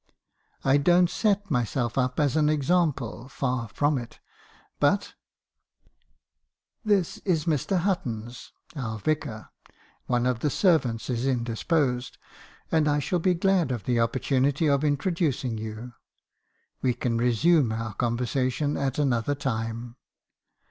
I don't set myself up as an example , far from it; — but — This is Mr. Hutton's, our vicar; one of the servants is indisposed, and I shall be glad of the opportunity of intro ducing you. We can resume our conversation at another time.'